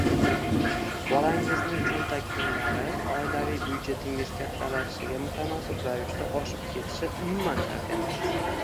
Bolangizning cho‘ntak pullari oilaviy byudjetingiz kattalashishiga mutanosib ravishda oshib ketishi umuman shart emas.